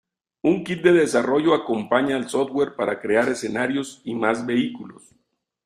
Un kit de desarrollo acompaña al software para crear escenarios y más vehículos.